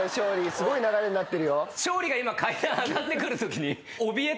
すごい流れになってるよ。